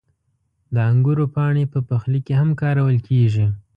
• د انګورو پاڼې په پخلي کې هم کارول کېږي.